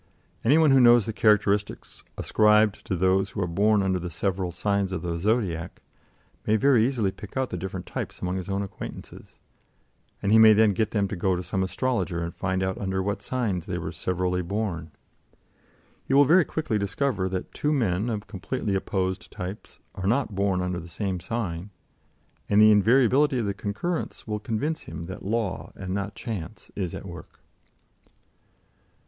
Any one who knows the characteristics ascribed to those who are born under the several signs of the Zodiac, may very easily pick out the different types among his own acquaintances, and he may then get them to go to some astrologer and find out under what signs they were severally born. He will very quickly discover that two men of completely opposed types are not born under the same sign, and the invariability of the concurrence will convince him that law, and not chance, is at work.